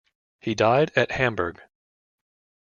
He died at Hamburg.